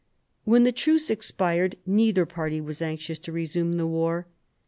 When the truce expired neither party was anxious to resume the war.